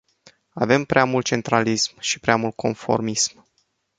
Avem prea mult centralism și prea mult conformism.